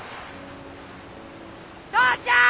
父ちゃん！